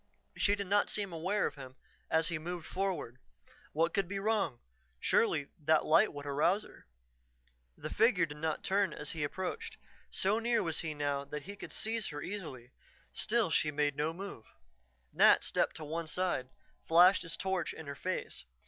She did not seem aware of him as he moved forward. What could be wrong; surely that light would arouse her. The figure did not turn as he approached. So near was he now that he could seize her easily, still she made no move. Nat stepped to one side, flashed his torch in her face.